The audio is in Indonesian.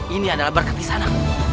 ini adalah berkat di sana